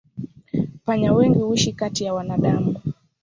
Panya wengi huishi kati ya wanadamu.